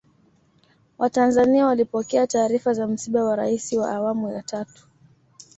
watanzania walipokea taarifa za msiba wa raisi wa awamu ya tatu